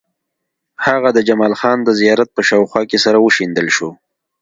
هماغه د جمال خان د زيارت په شاوخوا کې سره وشيندل شو.